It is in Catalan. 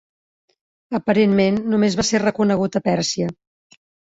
Aparentment només va ser reconegut a Pèrsia.